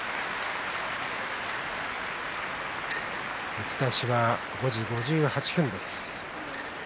打ち出しは５時５８分です。